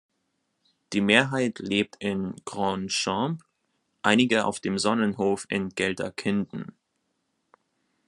Die Mehrheit lebt in Grandchamp, einige auf dem Sonnenhof in Gelterkinden.